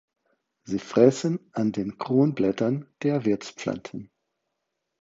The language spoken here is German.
Sie fressen an den Kronblättern der Wirtspflanzen.